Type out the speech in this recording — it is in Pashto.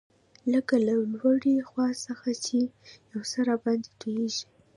لکه له لوړې خوا څخه چي یو څه راباندي تویېږي.